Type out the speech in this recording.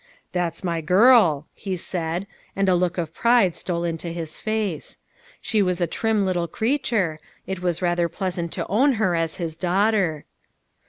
That's my girl," he said, and a look of pride HOW IT SUCCEEDED. 121 stole into his face. She was a trim little crea ture ; it was rather pleasant to own her as his daughter.